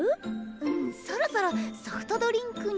うんそろそろソフトドリンクに。